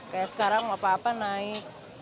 kayak sekarang apa apa naik